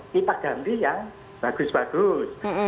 kita ganti yang bagus bagus